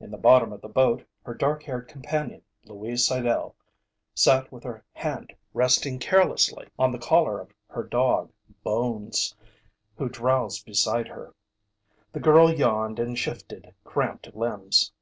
In the bottom of the boat, her dark haired companion, Louise Sidell, sat with her hand resting carelessly on the collar of her dog, Bones, who drowsed beside her. The girl yawned and shifted cramped limbs.